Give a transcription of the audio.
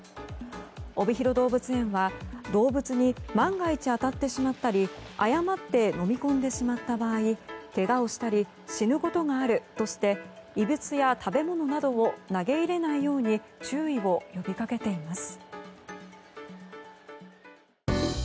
おびひろ動物園は動物に万が一当たってしまったり誤って飲み込んでしまった場合けがをしたり死ぬことがあるとして異物や食べ物などを投げ入れないように注意を呼びかけています。